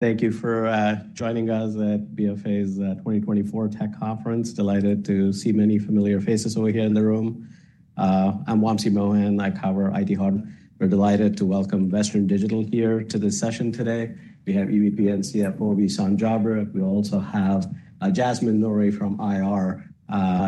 Thank you for joining us at BofA's 2024 tech conference. Delighted to see many familiar faces over here in the room. I'm Wamsi Mohan, I cover IT Hardware. We're delighted to welcome Western Digital here to this session today. We have EVP and CFO, Wissam Jabre. We also have Jasmine Nouri from IR.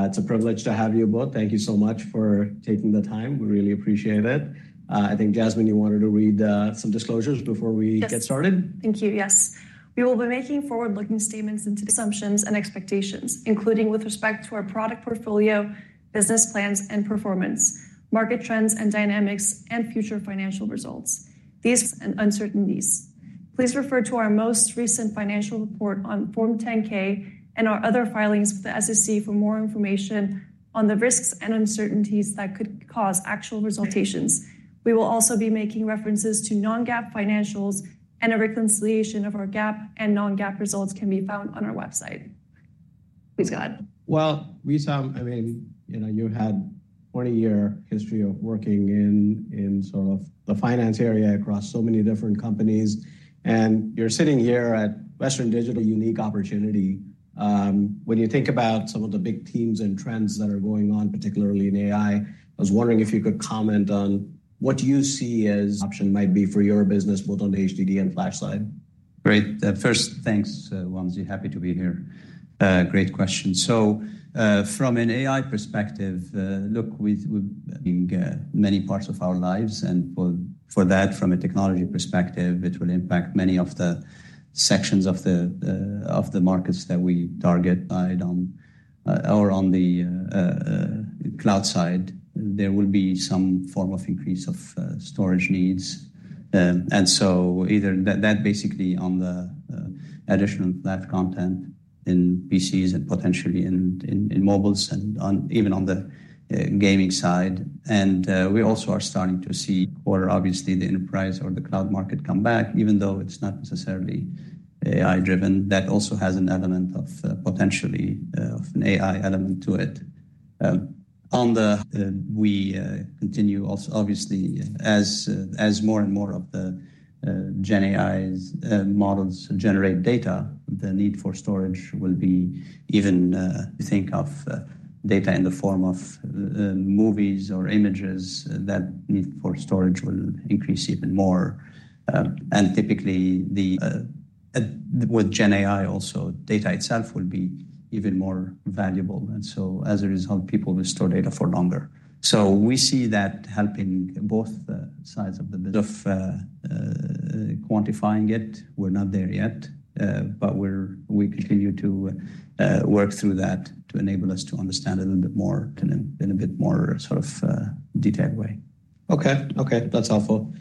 It's a privilege to have you both. Thank you so much for taking the time. We really appreciate it. I think, Jasmine, you wanted to read some disclosures before we- Yes. -get started. Thank you. Yes. We will be making forward-looking statements into the assumptions and expectations, including with respect to our product portfolio, business plans and performance, market trends and dynamics, and future financial results. These and uncertainties. Please refer to our most recent financial report on Form 10-K and our other filings with the SEC for more information on the risks and uncertainties that could cause actual results quotations. We will also be making references to non-GAAP financials, and a reconciliation of our GAAP and non-GAAP results can be found on our website. Please go ahead. Well, Wissam, I mean, you know, you had 20-year history of working in, in sort of the finance area across so many different companies, and you're sitting here at Western Digital, unique opportunity. When you think about some of the big themes and trends that are going on, particularly in AI, I was wondering if you could comment on what you see as option might be for your business, both on the HDD and flash side. Great. First, thanks, Wamsi. Happy to be here. Great question. So, from an AI perspective, look, we in many parts of our lives, and for that, from a technology perspective, it will impact many of the sections of the markets that we target. Either on the cloud side, there will be some form of increase of storage needs. And so that basically on the additional cloud content in PCs and potentially in mobiles and even on the gaming side. And we also are starting to see, obviously, the enterprise or the cloud market come back, even though it's not necessarily AI-driven. That also has an element of potentially an AI element to it. We continue also obviously, as more and more of the GenAI's models generate data, the need for storage will be even. Think of data in the form of movies or images. That need for storage will increase even more. And typically, with GenAI also, data itself will be even more valuable, and so as a result, people will store data for longer. So we see that helping both sides of quantifying it. We're not there yet, but we continue to work through that to enable us to understand a little bit more in a bit more sort of detailed way. Okay, okay, that's helpful.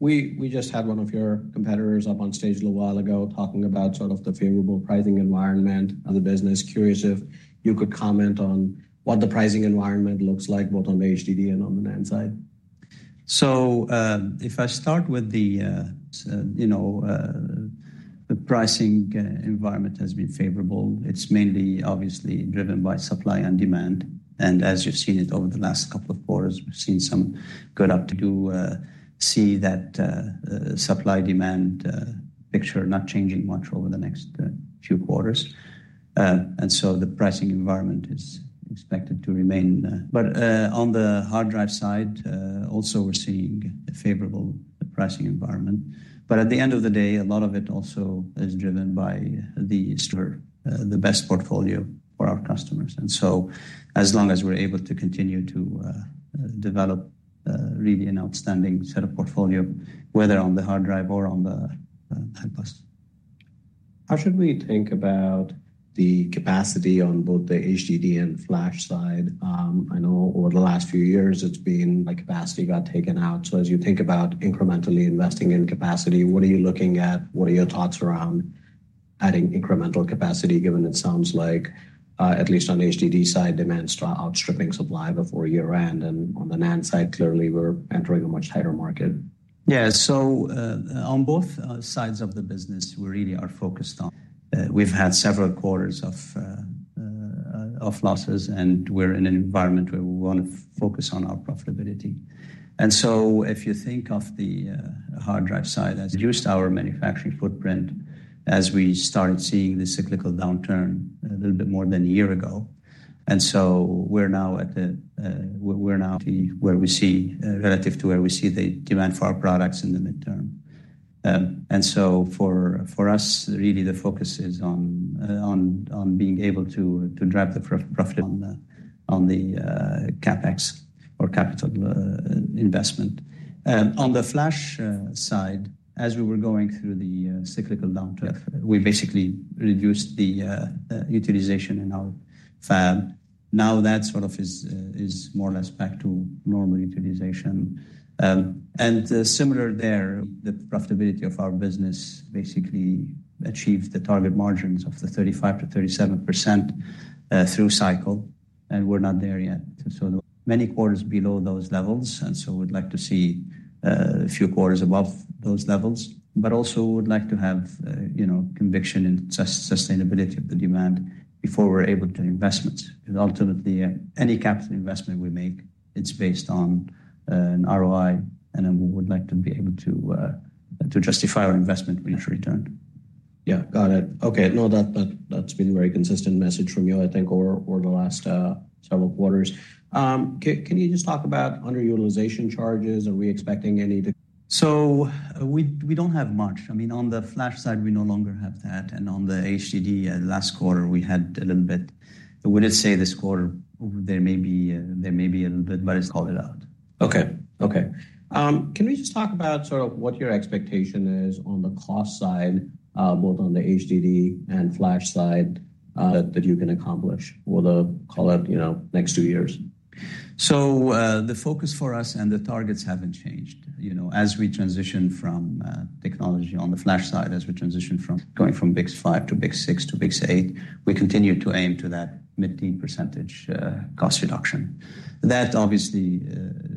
We just had one of your competitors up on stage a little while ago, talking about sort of the favorable pricing environment and the business. Curious if you could comment on what the pricing environment looks like, both on the HDD and on the NAND side. So, if I start with the, you know, the pricing environment has been favorable. It's mainly obviously driven by supply and demand, and as you've seen it over the last couple of quarters, we've seen some good uptake. See that supply-demand picture not changing much over the next few quarters. And so the pricing environment is expected to remain. But on the hard drive side, also we're seeing a favorable pricing environment. But at the end of the day, a lot of it also is driven by the sort of the best portfolio for our customers. And so as long as we're able to continue to develop really an outstanding set of portfolio, whether on the hard drive or on the NAND. How should we think about the capacity on both the HDD and flash side? I know over the last few years, it's been like capacity got taken out. So as you think about incrementally investing in capacity, what are you looking at? What are your thoughts around adding incremental capacity, given it sounds like, at least on the HDD side, demand outstripping supply before year-end, and on the NAND side, clearly we're entering a much tighter market. Yeah. So, on both sides of the business, we really are focused on, we've had several quarters of losses, and we're in an environment where we want to focus on our profitability. And so if you think of the hard drive side as reduced our manufacturing footprint, as we started seeing the cyclical downturn a little bit more than a year ago. And so we're now where we see relative to where we see the demand for our products in the midterm. And so for us, really the focus is on being able to drive the profitability on the CapEx or capital investment. On the flash side, as we were going through the cyclical downturn, we basically reduced the utilization in our fab. Now that sort of is more or less back to normal utilization. And similar there, the profitability of our business basically achieved the target margins of the 35%-37% through cycle, and we're not there yet. So many quarters below those levels, and so we'd like to see a few quarters above those levels. But also would like to have, you know, conviction in sustainability of the demand before we're able to investments. Ultimately, any capital investment we make, it's based on an ROI would like to be able to to justify our investment, we need to return. Yeah, got it. Okay. No, that, that, that's been a very consistent message from you, I think, over, over the last several quarters. Can, can you just talk about underutilization charges? Are we expecting any to- So we don't have much. I mean, on the flash side, we no longer have that, and on the HDD, last quarter, we had a little bit. I wouldn't say this quarter, there may be, there may be a little bit, but it's called it out. Okay. Can we just talk about sort of what your expectation is on the cost side, both on the HDD and flash side, that you can accomplish or, call it, you know, next two years? So, the focus for us and the targets haven't changed. You know, as we transition from technology on the flash side, as we transition from going from BiCS5 to BiCS6 to BiCS8, we continue to aim to that mid-teen % cost reduction. That obviously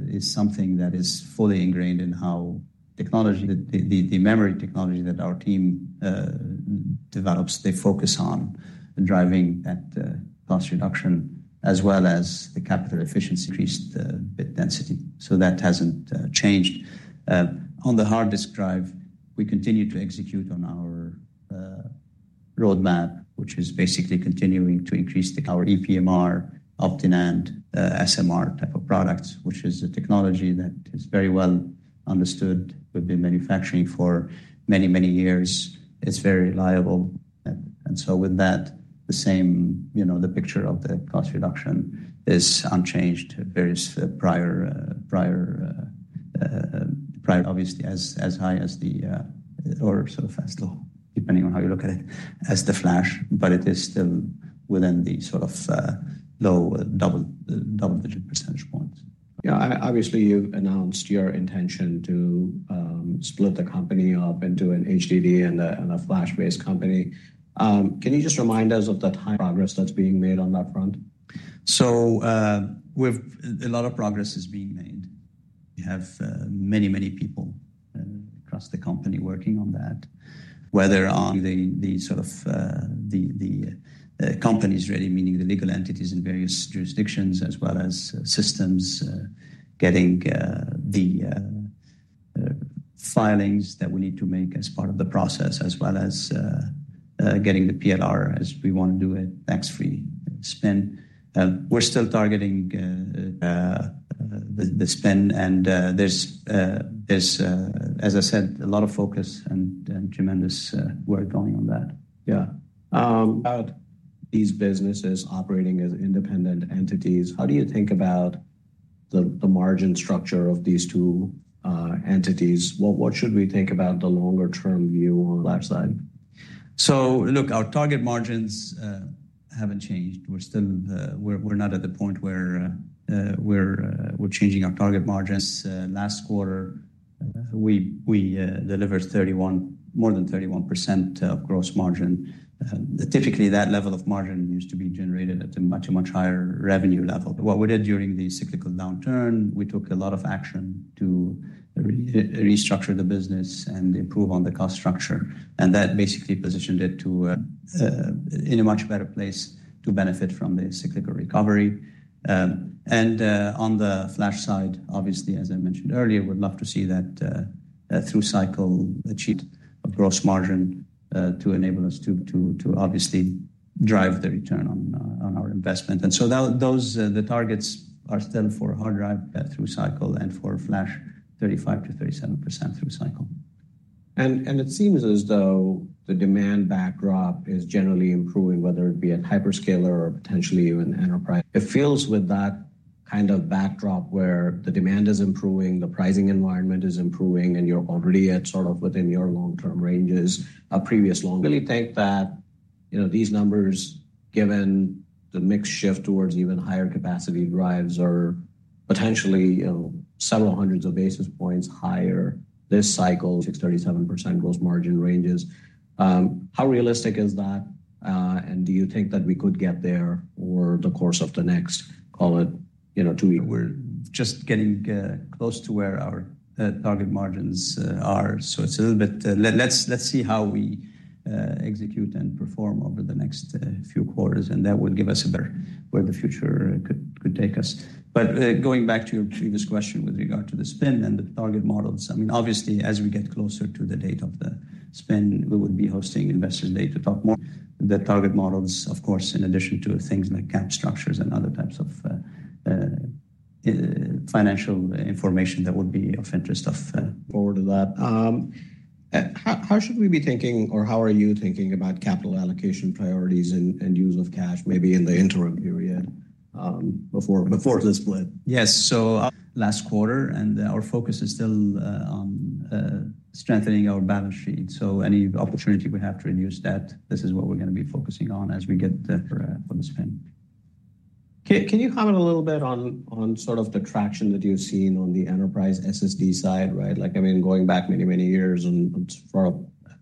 is something that is fully ingrained in how the memory technology that our team develops, they focus on driving that cost reduction, as well as the capital efficiency, increase the bit density. So that hasn't changed. On the hard disk drive, we continue to execute on our roadmap, which is basically continuing to increase our ePMR, OptiNAND, SMR type of products, which is a technology that is very well understood. We've been manufacturing for many, many years. It's very reliable, and so with that, the same, you know, the picture of the cost reduction is unchanged, various prior, obviously as high as the, or so fast, low, depending on how you look at it, as the flash, but it is still within the sort of low double-digit percentage points. Yeah, obviously, you've announced your intention to split the company up into an HDD and a flash-based company. Can you just remind us of the time progress that's being made on that front? So, a lot of progress is being made. We have many, many people across the company working on that, whether on the sort of companies, really, meaning the legal entities in various jurisdictions, as well as systems getting the filings that we need to make as part of the process, as well as getting the PLR as we want to do it, tax-free spin. We're still targeting the spin, and there's as I said, a lot of focus and tremendous work going on that. Yeah. About these businesses operating as independent entities, how do you think about the margin structure of these two entities? What should we think about the longer-term view on the flash side? So look, our target margins haven't changed. We're still not at the point where we're changing our target margins. Last quarter, we delivered more than 31% gross margin. Typically, that level of margin used to be generated at a much higher revenue level. What we did during the cyclical downturn, we took a lot of action to restructure the business and improve on the cost structure, and that basically positioned it in a much better place to benefit from the cyclical recovery. And on the flash side, obviously, as I mentioned earlier, we'd love to see that through cycle achieve a gross margin to enable us to obviously drive the return on our investment. So those targets are still for hard drive through cycle and for flash, 35%-37% through cycle. It seems as though the demand backdrop is generally improving, whether it be a hyperscaler or potentially even enterprise. It feels with that kind of backdrop where the demand is improving, the pricing environment is improving, and you're already at sort of within your long-term ranges. Will you think that, you know, these numbers, given the mix shift towards even higher capacity drives, are potentially, you know, several hundreds of basis points higher this cycle, 63%-67% gross margin ranges? How realistic is that, and do you think that we could get there over the course of the next, call it, you know, two years? We're just getting close to where our target margins are. So it's a little bit—Let's see how we execute and perform over the next few quarters, and that will give us a better where the future could take us. But, going back to your previous question with regard to the spin and the target models, I mean, obviously, as we get closer to the date of the spin, we would be hosting investor day to talk more. The target models, of course, in addition to things like cap structures and other types of financial information that would be of interest of. Forward to that. How should we be thinking or how are you thinking about capital allocation priorities and use of cash, maybe in the interim period, before the split? Yes. So last quarter, and our focus is still on strengthening our balance sheet. So any opportunity we have to reduce debt, this is what we're gonna be focusing on as we get for the spin. Can you comment a little bit on sort of the traction that you've seen on the Enterprise SSD side, right? Like, I mean, going back many, many years and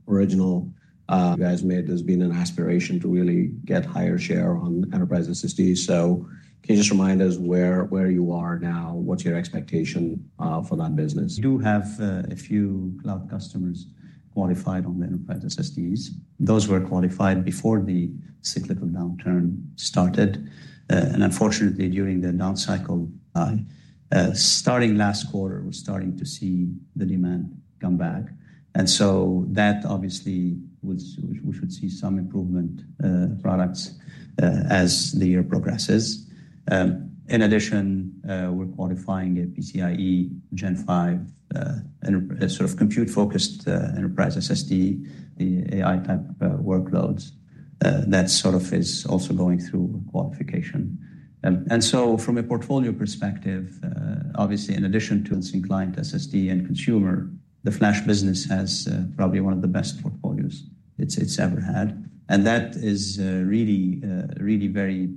originally you guys made, there's been an aspiration to really get higher share on Enterprise SSD. So can you just remind us where you are now? What's your expectation for that business? We do have a few cloud customers qualified on the enterprise SSDs. Those were qualified before the cyclical downturn started, and unfortunately, during the down cycle, starting last quarter, we're starting to see the demand come back, and so that obviously would, we should see some improvement, products, as the year progresses. In addition, we're qualifying a PCIe Gen 5, sort of compute-focused, enterprise SSD, the AI-type workloads. That sort of is also going through qualification. From a portfolio perspective, obviously, in addition to Client, SSD, and consumer, the flash business has probably one of the best portfolios it's ever had, and that is really, really very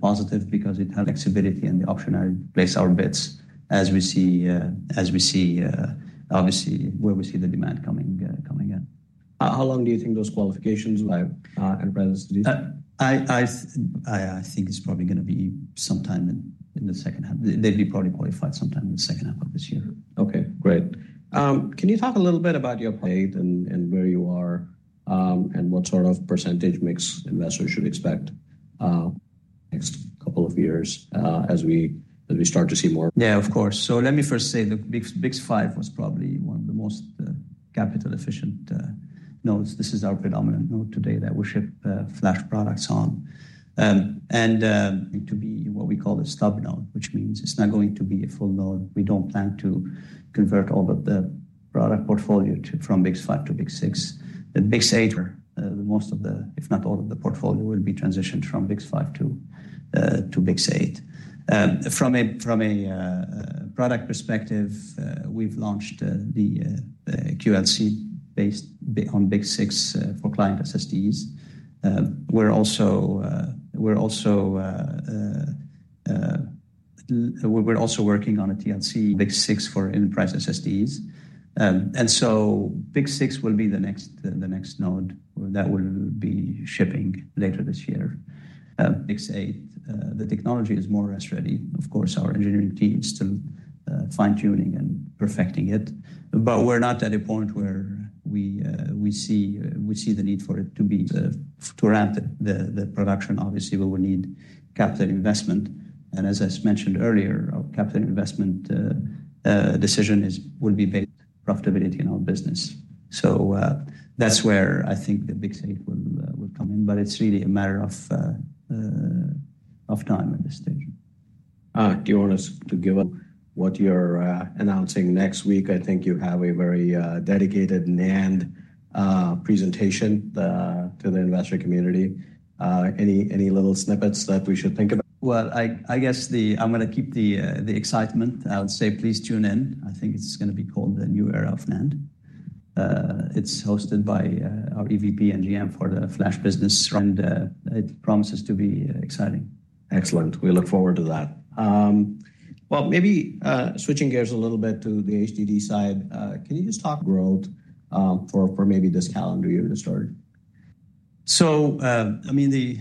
positive because it has flexibility and the option to place our bets as we see obviously where we see the demand coming in. How long do you think those qualifications like Enterprise SSD? I think it's probably gonna be sometime in the second half. They'd be probably qualified sometime in the second half of this year. Okay, great. Can you talk a little bit about your pace and where you are, and what sort of percentage mix investors should expect next couple of years as we start to see more? Yeah, of course. So let me first say the BiCS5 was probably one of the most, capital-efficient, nodes. This is our predominant node today that we ship, flash products on. And, to be what we call a stub node, which means it's not going to be a full node. We don't plan to convert all of the product portfolio to, from BiCS5 to BiCS6. The BiCS8, most of the, if not all of the portfolio, will be transitioned from BiCS5 to, to BiCS8. From a, from a, product perspective, we've launched, the, QLC based on BiCS6, for client SSDs. We're also, we're also, we're also working on a TLC BiCS6 for enterprise SSDs. And so BiCS6 will be the next node that will be shipping later this year. BiCS8, the technology is more mass ready. Of course, our engineering team is still fine-tuning and perfecting it, but we're not at a point where we see the need for it to ramp the production. Obviously, we will need capital investment, and as I mentioned earlier, our capital investment decision will be based on profitability in our business. So, that's where I think the BiCS8 will come in, but it's really a matter of time at this stage. Do you want us to give up what you're announcing next week? I think you have a very dedicated NAND presentation to the investor community. Any little snippets that we should think about? Well, I guess I'm gonna keep the excitement. I would say, please tune in. I think it's gonna be called the New Era of NAND. It's hosted by our EVP and GM for the flash business, and it promises to be exciting. Excellent. We look forward to that. Well, maybe switching gears a little bit to the HDD side, can you just talk growth for maybe this calendar year to start? So, I mean, the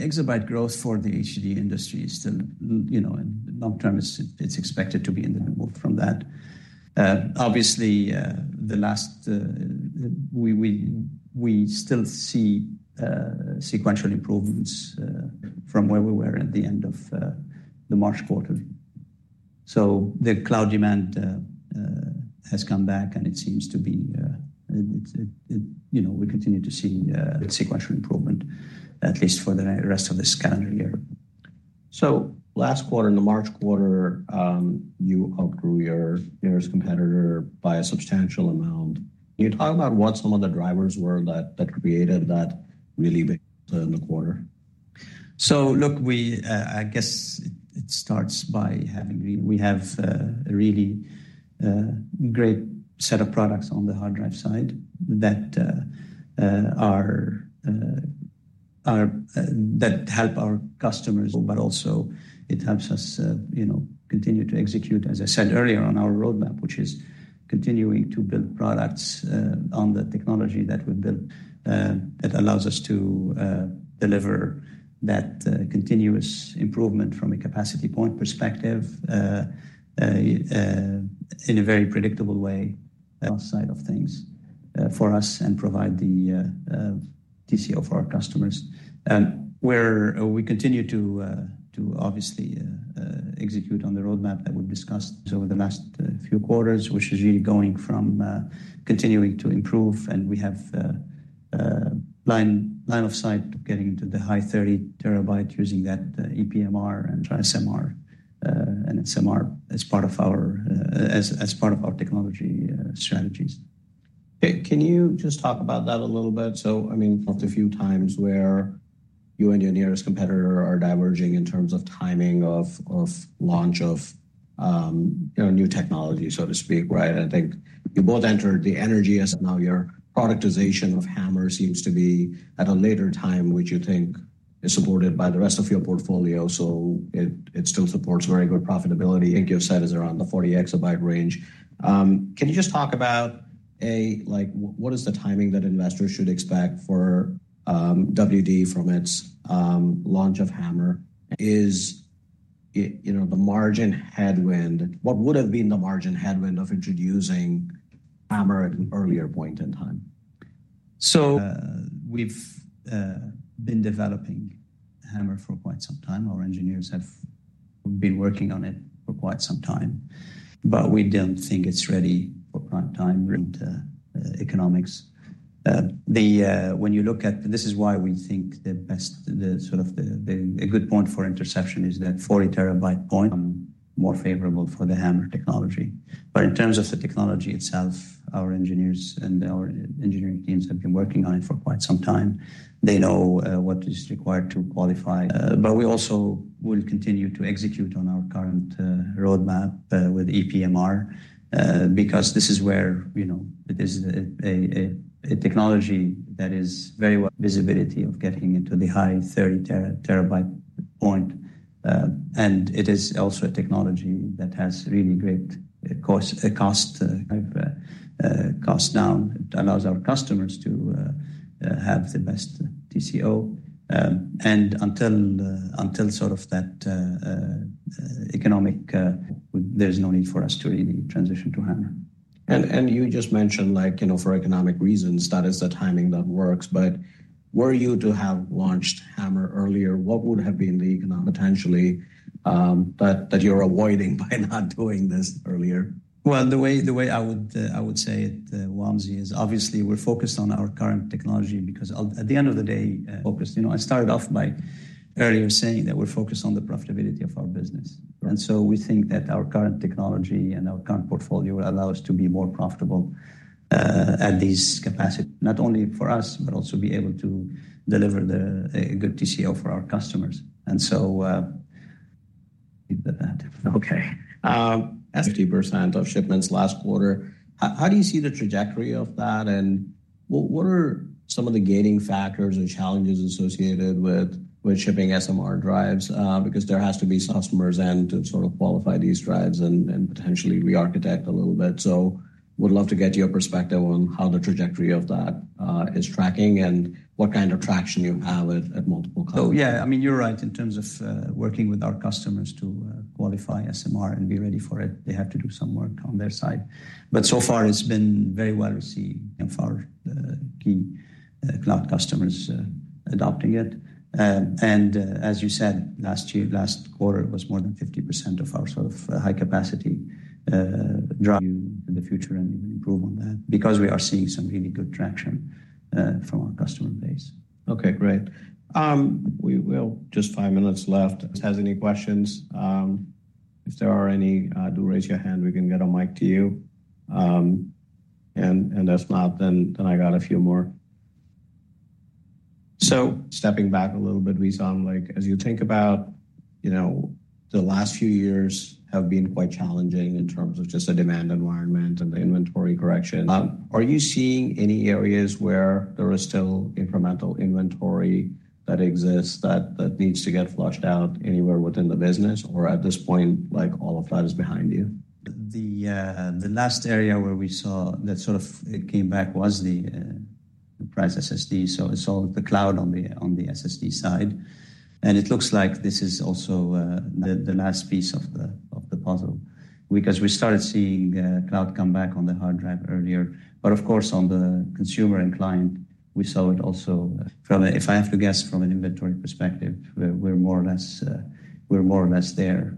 exabyte growth for the HDD industry is still, you know, in long term, it's expected to be in the move from that. Obviously, we still see sequential improvements from where we were at the end of the March quarter. So the cloud demand has come back, and it seems to be, you know, we continue to see sequential improvement, at least for the rest of this calendar year. So last quarter, in the March quarter, you outgrew your nearest competitor by a substantial amount. Can you talk about what some of the drivers were that created that really big turn in the quarter? So look, I guess it starts by having we have a really great set of products on the hard drive side that help our customers, but also it helps us, you know, continue to execute, as I said earlier, on our roadmap, which is continuing to build products on the technology that we've built that allows us to deliver that continuous improvement from a capacity point perspective in a very predictable way side of things for us and provide the TCO for our customers, where we continue to obviously execute on the roadmap that we've discussed over the last few quarters, which is really going from continuing to improve, and we have line of sight getting into the high 30 terabytes using that ePMR and SMR, and SMR as part of our technology strategies. Can you just talk about that a little bit? So I mean, a few times where you and your nearest competitor are diverging in terms of timing of launch of, you know, new technology, so to speak, right? I think you both entered ePMR, as now your productization of HAMR seems to be at a later time, would you think?—is supported by the rest of your portfolio, so it, it still supports very good profitability, and capacity set is around the 40 exabyte range. Can you just talk about, like, what is the timing that investors should expect for, WD from its, launch of HAMR? Is it, you know, the margin headwind—what would have been the margin headwind of introducing HAMR at an earlier point in time? So, we've been developing HAMR for quite some time. Our engineers have been working on it for quite some time, but we don't think it's ready for prime time and economics. This is why we think the best sort of a good point for inflection is that 40-TB point, more favorable for the HAMR technology. But in terms of the technology itself, our engineers and our engineering teams have been working on it for quite some time. They know what is required to qualify, but we also will continue to execute on our current roadmap with ePMR because this is where, you know, it is a technology that is very well... visibility of getting into the high 30-TB point. And it is also a technology that has really great cost down. It allows our customers to have the best TCO, and until sort of that economic, there's no need for us to really transition to HAMR. You just mentioned, like, you know, for economic reasons, that is the timing that works, but were you to have launched HAMR earlier, what would have been the economic potentially that you're avoiding by not doing this earlier? Well, the way I would say it, Wamsi, is obviously we're focused on our current technology, because at the end of the day, focused. You know, I started off by earlier saying that we're focused on the profitability of our business. Right. And so we think that our current technology and our current portfolio will allow us to be more profitable at these capacity, not only for us, but also be able to deliver a good TCO for our customers. And so, leave it at that. Okay. 50% of shipments last quarter. How do you see the trajectory of that, and what are some of the gating factors or challenges associated with shipping SMR drives? Because there has to be some customers and to sort of qualify these drives and potentially rearchitect a little bit. So would love to get your perspective on how the trajectory of that is tracking and what kind of traction you have at multiple clients. So, yeah, I mean, you're right in terms of working with our customers to qualify SMR and be ready for it. They have to do some work on their side, but so far it's been very well received and for our key cloud customers adopting it. And as you said, last year last quarter, it was more than 50% of our sort of high capacity drive in the future and even improve on that because we are seeing some really good traction from our customer base. Okay, great. We will just five minutes left. Has any questions? If there are any, do raise your hand, we can get a mic to you. And if not, then I got a few more. So stepping back a little bit, Wissam, like, as you think about, you know, the last few years have been quite challenging in terms of just the demand environment and the inventory correction. Are you seeing any areas where there is still incremental inventory that exists, that needs to get flushed out anywhere within the business, or at this point, like, all of that is behind you? The last area where we saw that sort of it came back was the enterprise SSD. So it's all the cloud on the SSD side, and it looks like this is also the last piece of the puzzle because we started seeing cloud come back on the hard drive earlier. But of course, on the consumer and client, we saw it also. If I have to guess from an inventory perspective, we're more or less there,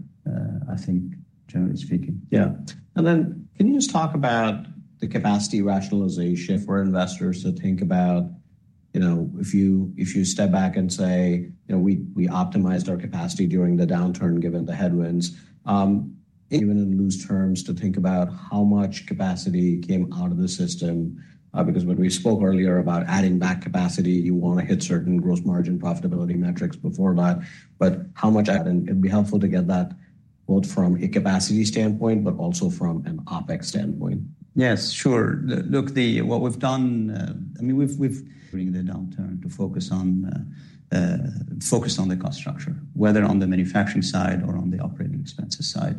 I think, generally speaking. Yeah. And then can you just talk about the capacity rationalization for investors to think about, you know, if you, if you step back and say: You know, we, we optimized our capacity during the downturn, given the headwinds. Even in loose terms, to think about how much capacity came out of the system, because when we spoke earlier about adding back capacity, you want to hit certain gross margin profitability metrics before that, but how much? And it'd be helpful to get that both from a capacity standpoint, but also from an OpEx standpoint. Yes, sure. Look, what we've done, I mean, we've during the downturn to focus on the cost structure, whether on the manufacturing side or on the operating expenses side.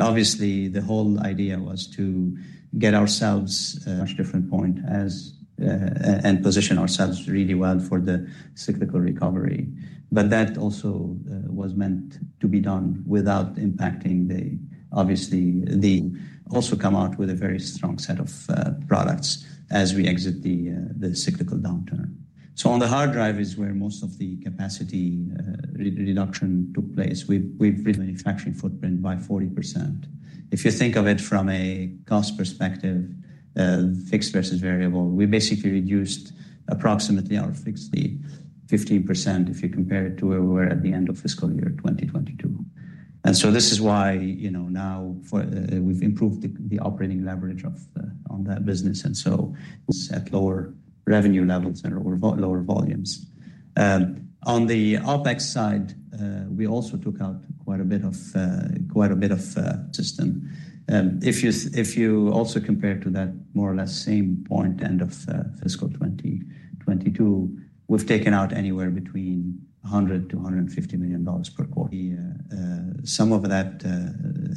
Obviously, the whole idea was to get ourselves a much different point as and position ourselves really well for the cyclical recovery. But that also was meant to be done without impacting the, obviously, also come out with a very strong set of products as we exit the cyclical downturn. So on the hard drive is where most of the capacity reduction took place. We've reduced manufacturing footprint by 40%. If you think of it from a cost perspective, fixed versus variable, we basically reduced approximately our fixed 50% if you compare it to where we were at the end of fiscal year 2022. And so this is why, you know, now, for, we've improved the, the operating leverage of on that business, and so it's at lower revenue levels and lower volumes. On the OpEx side, we also took out quite a bit of quite a bit of system. If you also compare to that more or less same point, end of fiscal year 2022, we've taken out anywhere between $100 million-$150 million per quarter. Yeah, some of that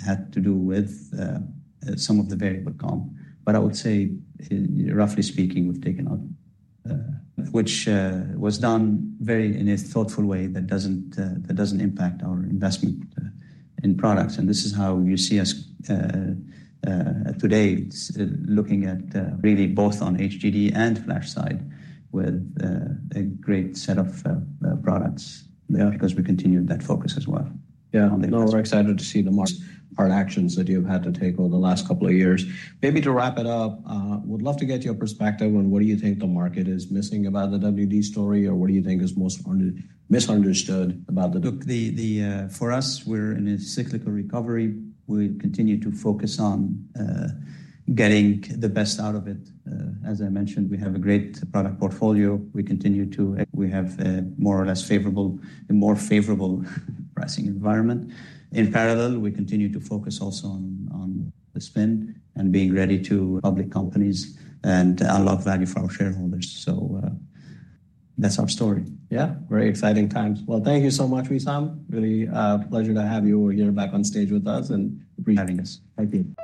had to do with some of the variable comp, but I would say, roughly speaking, we've taken out, which was done very in a thoughtful way that doesn't, that doesn't impact our investment in products. And this is how you see us today, looking at really both on HDD and flash side with a great set of products. Yeah. Because we continued that focus as well. Yeah. No, we're excited to see the hard actions that you've had to take over the last couple of years. Maybe to wrap it up, would love to get your perspective on what you think the market is missing about the WD story, or what do you think is most under—misunderstood about the- Look, for us, we're in a cyclical recovery. We continue to focus on getting the best out of it. As I mentioned, we have a great product portfolio. We continue to. We have more or less favorable, a more favorable pricing environment. In parallel, we continue to focus also on the spend and being ready to public companies and unlock value for our shareholders. So, that's our story. Yeah. Very exciting times. Well, thank you so much, Wissam. Really, a pleasure to have you here back on stage with us and- Thank you for having us.